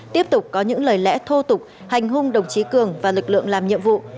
tiếp tục có những lời lẽ thô tục hành hung đồng chí cường và lực lượng làm nhiệm vụ